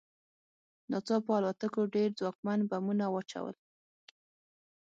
ناڅاپه الوتکو ډېر ځواکمن بمونه واچول